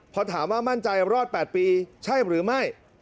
พอถามว่ามั่นใจรอด๘ปีใช่หรือไม่